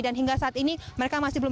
dan hingga saat ini mereka masih belum